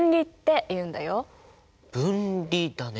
「分離」だね。